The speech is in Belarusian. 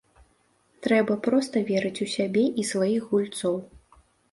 Трэба проста верыць у сябе і сваіх гульцоў.